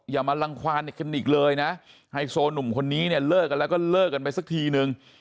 อย่ามารังความกันอีกเลยนะไฮโซหนุ่มคนนี้เนี่ยเลิกกันแล้วก็เลิกกันไปสักทีนึง